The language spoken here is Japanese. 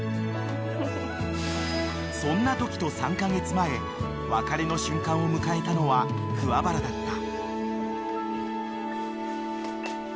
［そんなトキと３カ月前別れの瞬間を迎えたのは桑原だった］